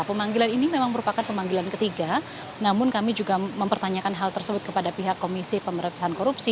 pemanggilan ini memang merupakan pemanggilan ketiga namun kami juga mempertanyakan hal tersebut kepada pihak komisi pemerintahan korupsi